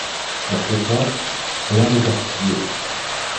Après ça ? Rien de particulier.